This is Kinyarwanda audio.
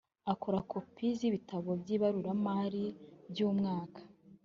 akora kopi z’ibitabo by’ibaruramari by’umwaka